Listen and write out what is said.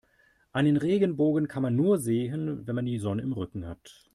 Einen Regenbogen kann man nur sehen, wenn man die Sonne im Rücken hat.